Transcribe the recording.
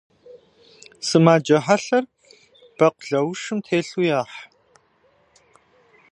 Сымаджэ хьэлъэр бэкъулаушым телъу яхь.